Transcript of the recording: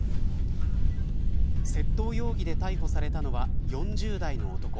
窃盗容疑で逮捕されたのは４０代の男。